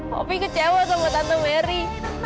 poppy kecewa sama tante merry